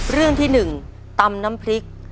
เรื่องที่๑ตำน้ำพริก